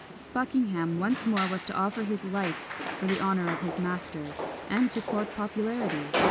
Buckingham once more was to offer his life for the honour of his master and to court popularity!